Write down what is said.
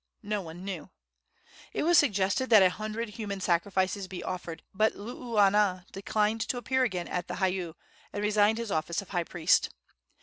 No one knew. It was suggested that a hundred human sacrifices be offered, but Luuana declined to appear again at the heiau, and resigned his office of high priest.